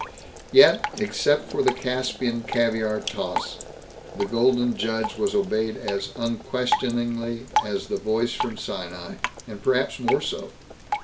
Yet, except for the Caspian caviar toss, the Golden Judge was obeyed as unquestioningly as the Voice from Sinai, and perhaps more so.